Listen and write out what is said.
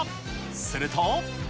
すると。